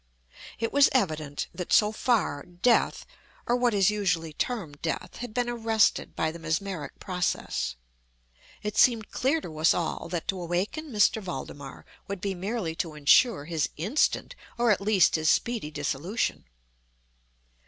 It was evident that, so far, death (or what is usually termed death) had been arrested by the mesmeric process. It seemed clear to us all that to awaken M. Valdemar would be merely to insure his instant, or at least his speedy, dissolution.